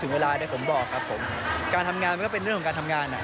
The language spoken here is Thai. เวลาเดี๋ยวผมบอกครับผมการทำงานมันก็เป็นเรื่องของการทำงานอ่ะ